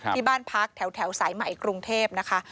ที่บ้านพักแถวสายใหม่กรุงเทพนะคะ